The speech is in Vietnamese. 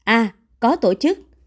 a có tổ chức